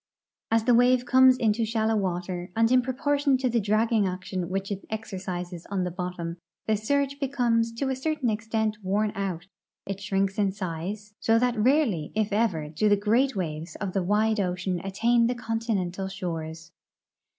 As the Avave comes into shalloAV Avater, and in proportion to the dragging action Avhich it exercises on the bottom, the surge becomes to a certain extent Avorn out ; it shrinks in size, so that THE ECONOMIC ASPECTS OF SOIL EROSION 331 rarely, if ever, do the great waves of the wide ocean attain tlie continental shores.